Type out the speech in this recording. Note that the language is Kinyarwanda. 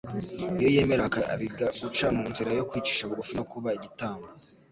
iyo yemera akariga guca mu nzira yo kwicisha bugufi no kuba igitambo.